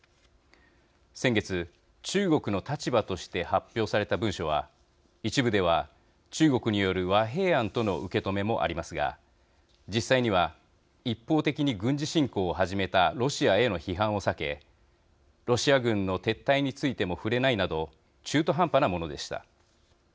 先月、中国の立場として発表された文書は一部では中国による和平案との受け止めもありますが実際には一方的に軍事侵攻を始めたロシアへの批判を避けロシア軍の撤退についても触れないなど中途半端なものでした。